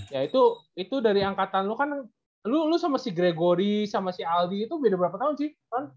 ya itu dari angkatan lo kan lu lo sama si gregory sama si aldi itu beda berapa tahun sih